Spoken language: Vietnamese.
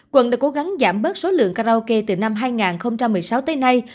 quận đã cố gắng giảm bớt số lượng karaoke từ năm hai nghìn một mươi sáu tới nay